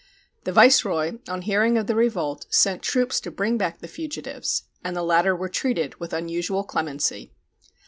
The viceroy, on hearing of the revolt, sent troops to bring back the fugitives, and the latter were treated with unusual clemency.